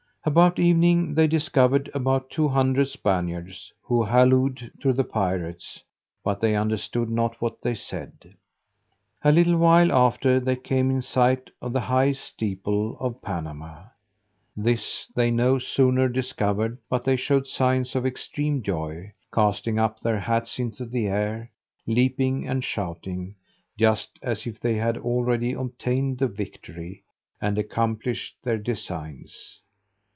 About evening they discovered about two hundred Spaniards, who hallooed to the pirates, but they understood not what they said. A little while after they came in sight of the highest steeple of Panama: this they no sooner discovered but they showed signs of extreme joy, casting up their hats into the air, leaping and shouting, just as if they had already obtained the victory, and accomplished their designs.